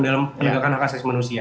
dalam menegakkan akasasi manusia